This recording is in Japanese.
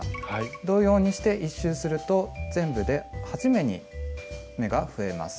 同様にして１周すると全部で８目に目が増えます。